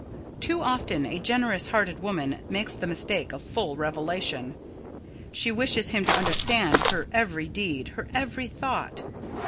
Too often a generous hearted woman makes the mistake of full revelation. She wishes him to understand her every deed, her every thought.